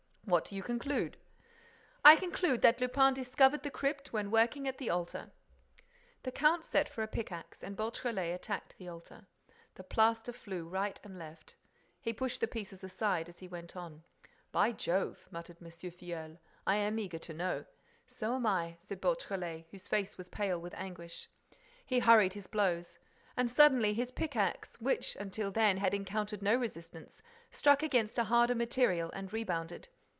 "What do you conclude?" "I conclude that Lupin discovered the crypt when working at the altar." The count sent for a pickaxe and Beautrelet attacked the altar. The plaster flew to right and left. He pushed the pieces aside as he went on. "By Jove!" muttered M. Filleul, "I am eager to know—" "So am I," said Beautrelet, whose face was pale with anguish. He hurried his blows. And, suddenly, his pickaxe, which, until then, had encountered no resistance, struck against a harder material and rebounded.